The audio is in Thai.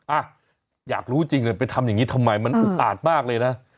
อ่ะอยากรู้จริงเลยไปทำอย่างนี้ทำไมมันอุกอาจมากเลยนะ